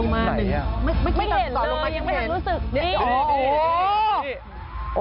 ไม่เห็น